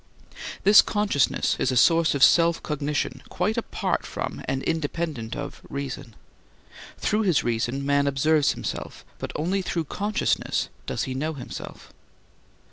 This consciousness is a source of self cognition quite apart from and independent of reason. Through his reason man observes himself, but only through consciousness does he know himself.